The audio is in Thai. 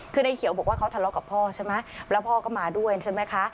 คือในเขียวบอกว่าเขาทะเลาะกับพ่อใช่ไหมแล้วพ่อก็มาด้วยใช่ไหมคะ